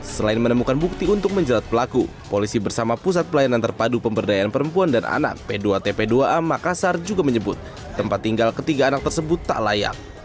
selain menemukan bukti untuk menjerat pelaku polisi bersama pusat pelayanan terpadu pemberdayaan perempuan dan anak p dua tp dua a makassar juga menyebut tempat tinggal ketiga anak tersebut tak layak